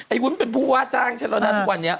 ไอ้วุ้นเป็นผู้วาดจ้างชะละนั้นทุกวันนี้